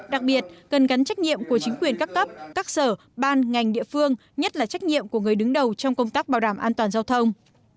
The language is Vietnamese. đặc biệt cần gắn trách nhiệm của chính quyền các cấp các sở ban ngành địa phương nhất là trách nhiệm của người đứng đầu trong công tác bảo đảm an toàn giao thông